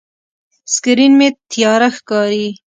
سکرین مې تیاره ښکاري.